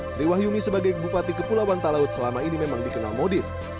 sri wahyumi sebagai bupati kepulauan talaut selama ini memang dikenal modis